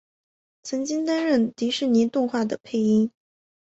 曾经担任迪士尼动画的配音。